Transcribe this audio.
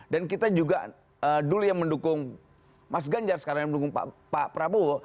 kita juga dulu yang mendukung mas ganjar sekarang yang mendukung pak prabowo